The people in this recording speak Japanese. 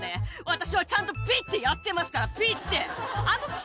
私はちゃんと、ぴってやってますから、ぴって。